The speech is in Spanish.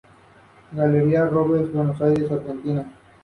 Galería Rubbers.Buenos Aires, Argentina.